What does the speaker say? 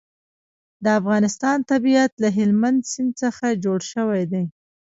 د افغانستان طبیعت له هلمند سیند څخه جوړ شوی دی.